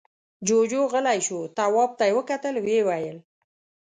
جُوجُو غلی شو. تواب ته يې وکتل، ويې ويل: